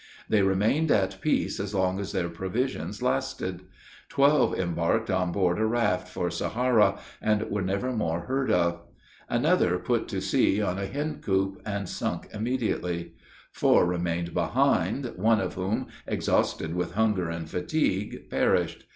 They remained at peace as long as their provisions lasted. Twelve embarked on board a raft, for Sahara, and were never more heard of. Another put to sea on a hen coop, and sunk immediately. Four remained behind, one of whom, exhausted with hunger and fatigue, perished.